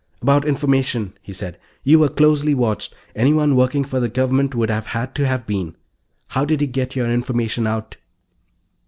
"About information," he said. "You were closely watched anyone working for the Government would have had to have been. How did you get your information out?"